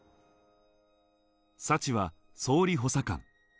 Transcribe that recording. サチは総理補佐官。